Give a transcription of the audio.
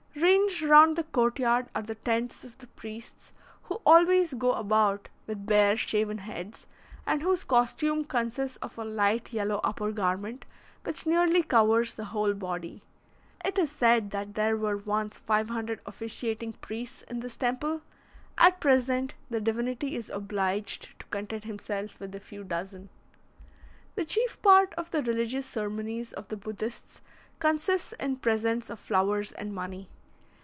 Ranged round the court yard are the tents of the priests, who always go about with bare, shaven heads, and whose costume consists of a light yellow upper garment, which nearly covers the whole body. It is said that there were once 500 officiating priests in this temple; at present the divinity is obliged to content himself with a few dozen. The chief part of the religious ceremonies of the Buddhists consists in presents of flowers and money.